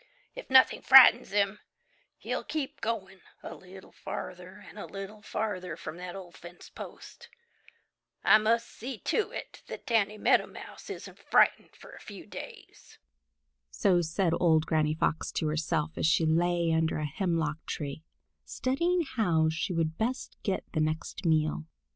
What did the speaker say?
If nothing frightens him, he'll keep going a little farther and a little farther from that old fence post. I must see to it that Danny Meadow Mouse isn't frightened for a few days." So said old Granny Fox to herself, as she lay under a hemlock tree, studying how she could best get the next meal.